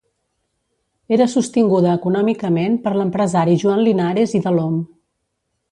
Era sostinguda econòmicament per l'empresari Joan Linares i Delhom.